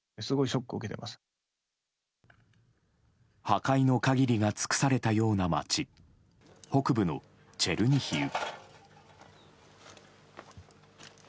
破壊の限りが尽くされたような街北部のチェルニヒウ。